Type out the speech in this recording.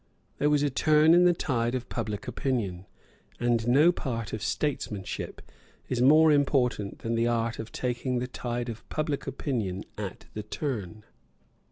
There was a turn in the tide of public opinion; and no part of statesmanship is more important than the art of taking the tide of public opinion at the turn.